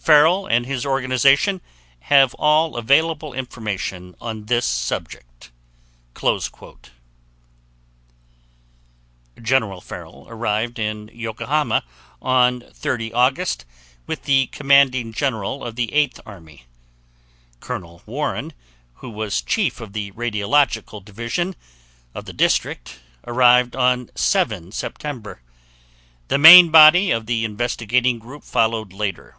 FARRELL AND HIS ORGANIZATION HAVE ALL AVAILABLE INFORMATION ON THIS SUBJECT." General Farrell arrived in Yokohama on 30 August, with the Commanding General of the 8th Army; Colonel Warren, who was Chief of the Radiological Division of the District, arrived on 7 September. The main body of the investigating group followed later.